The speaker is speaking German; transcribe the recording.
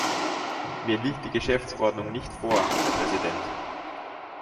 Mir liegt die Geschäftsordnung nicht vor, Herr Präsident.